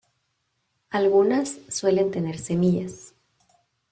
Algunas suelen tener semillas.